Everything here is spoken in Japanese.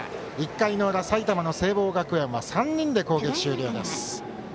１回の裏、埼玉の聖望学園は３人で攻撃終了です。